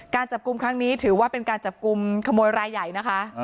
การจับกลุ่มครั้งนี้ถือว่าเป็นการจับกลุ่มขโมยรายใหญ่นะคะ